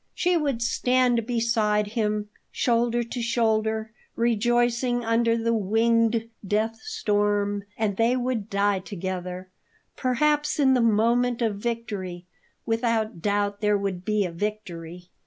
She would stand beside him, shoulder to shoulder, rejoicing under the winged death storm; and they would die together, perhaps in the moment of victory without doubt there would be a victory.